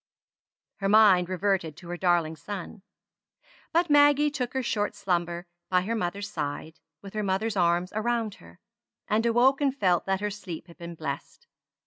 Her mind reverted to her darling son; but Maggie took her short slumber by her mother's side, with her mother's arms around her; and awoke and felt that her sleep had been blessed.